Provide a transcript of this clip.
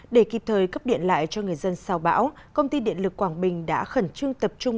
để kịp thời cấp điện lại cho người dân sau bão công ty điện lực quảng bình đã khẩn trương tập trung